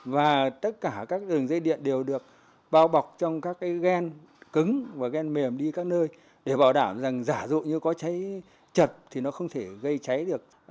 và tất cả các đường dây điện đều được bao bọc trong các cái ghen cứng và ghen mềm đi các nơi để bảo đảm rằng giả dụ như có cháy chật thì nó không thể gây cháy được